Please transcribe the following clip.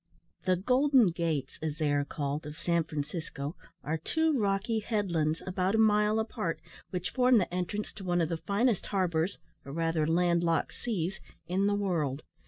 The "Golden Gates," as they are called, of San Francisco, are two rocky headlands, about a mile apart, which form the entrance to one of the finest harbours, or rather land locked seas, in the world.